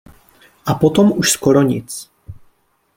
A potom už skoro nic.